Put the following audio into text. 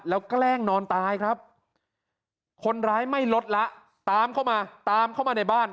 แล้วแกล้งนอนตายครับคนร้ายไม่ลดละตามเข้ามาตามเข้ามาในบ้าน